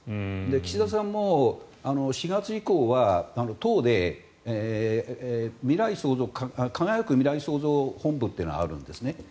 岸田さんも４月以降は党で輝く未来創造本部というのがあるんですね。